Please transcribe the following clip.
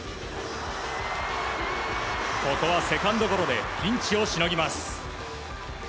ここはセカンドゴロでピンチをしのぎます。